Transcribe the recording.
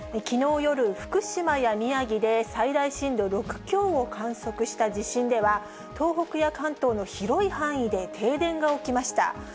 きのう夜、福島や宮城で最大震度６強を観測した地震では、東北や関東の広い範囲で停電が起きました。